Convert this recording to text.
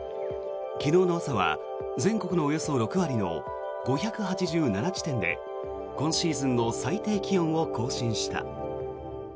昨日の朝は全国のおよそ６割の５８７地点で今シーズンの最低気温を更新した。